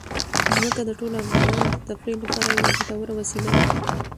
ځمکه د ټولو افغانانو د تفریح لپاره یوه ګټوره وسیله ده.